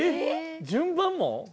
順番も？